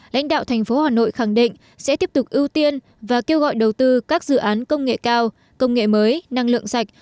lãnh đạo thành phố hà nội khẳng định sẽ tiếp tục ưu tiên và kêu gọi đầu tư các dự án công nghệ cao công nghệ mới năng lượng sạch